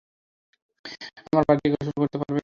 আমার বাড়িতে গিয়ে গোসল করতে পারো।